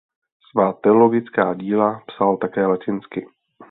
Svá teologická díla psal také latinsky.